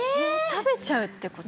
食べちゃうってこと？